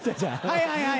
はいはい！